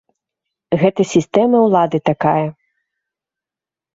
Гэта сістэма ўлады такая.